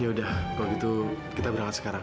yaudah kalau gitu kita berangkat sekarang